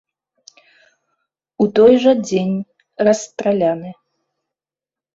У той жа дзень расстраляны.